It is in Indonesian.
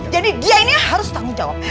jadi dia ini harus tanggung jawab